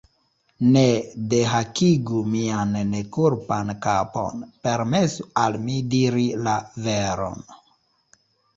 ne dehakigu mian nekulpan kapon, permesu al mi diri la veron!